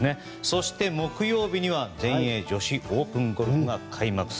そして木曜日には全英女子オープンゴルフが開幕。